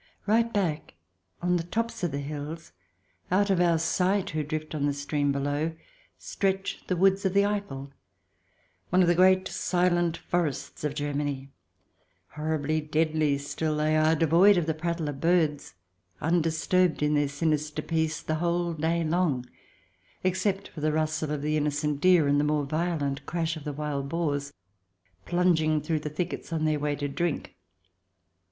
Right back, on the tops of the hills, out of our sight who drift on the stream below, stretch the woods of the Eiffel, one of the great silent forests of Germany. Horribly, deadly still they are, 12 THE DESIRABLE ALIEN [ch. i devoid of the prattle of birds, undisturbed in their sinister peace the whole day long, except for the rustle of the innocent deer and the more violent crash of the wild boars plunging through the thickets on their way to drink.